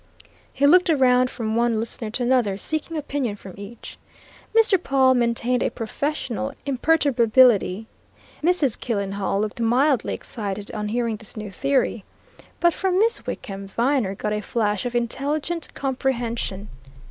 He looked round from one listener to another, seeking opinion from each. Mr. Pawle maintained a professional imperturbability; Mrs. Killenhall looked mildly excited on hearing this new theory. But from Miss Wickham, Viner got a flash of intelligent comprehension.